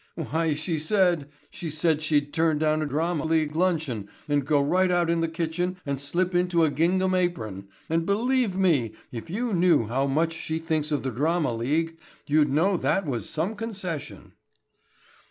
Why she said—she said she'd turn down a Drama League luncheon and go right out in the kitchen and slip into a gingham apron, and believe me if you knew how much she thinks of the Drama League, you'd know that was some concession."